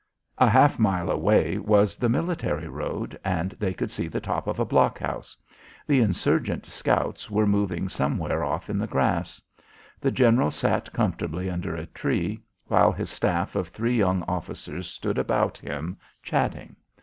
A half mile away was the military road, and they could see the top of a blockhouse. The insurgent scouts were moving somewhere off in the grass. The general sat comfortably under a tree, while his staff of three young officers stood about him chatting.